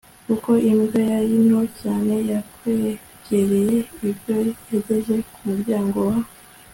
kuko imbwa yari nto cyane. yakwegereye ibyo yageze ku muryango wa